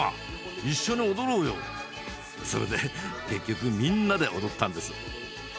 それで結局みんなで踊ったんです。